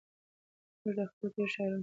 موږ د خپلو تېرو شاعرانو په سبکونو ویاړو.